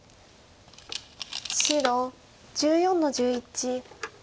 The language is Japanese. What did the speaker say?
白１４の十一。